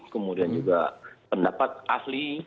kemudian juga pendapat asli